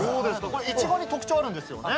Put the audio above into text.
いちごに特徴があるんですよ